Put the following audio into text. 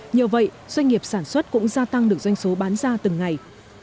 nhờ vậy doanh nghiệp sản xuất cũng gia tăng được doanh số bán ra từng ngày